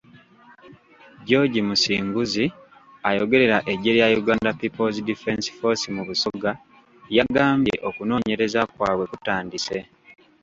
George Musinguzi, ayogerera eggye lya Uganda People's Defence Force mu Busoga yagambye, okunonyereza kwabwe kutandise.